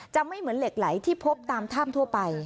ไม่เหมือนเหล็กไหลที่พบตามถ้ำทั่วไป